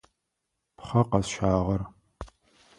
Пхъэ къэсщагъэр.